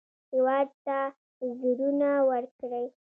هېواد ته زړونه ورکړئ